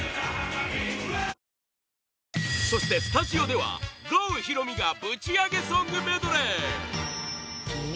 そして、スタジオでは郷ひろみがぶちアゲソングメドレー！